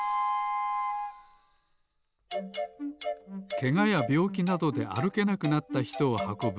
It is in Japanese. けがやびょうきなどであるけなくなったひとをはこぶ